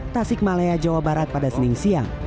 tasikmalaya jawa barat pada senin siang